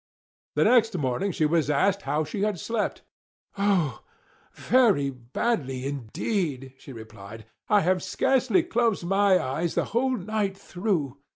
The next morning she was asked how she had slept. "Oh, very badly indeed!" she replied. "I have scarcely closed my eyes the whole night through.